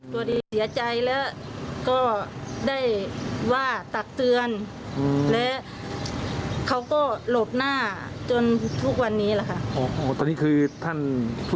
พอดีเสียใจแล้วก็ได้ว่าตักเตือนและเขาก็หลบหน้าจนทุกวันนี้แหละค่ะ